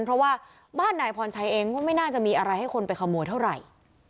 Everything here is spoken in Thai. เพราะว่าบ้านนายพรชัยเองก็ไม่น่าจะมีอะไรให้คนไปขโมยเท่าไหร่